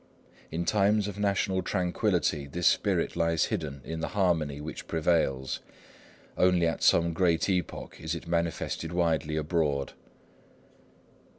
"In times of national tranquillity, this spirit lies hidden in the harmony which prevails. Only at some great epoch is it manifested widely abroad."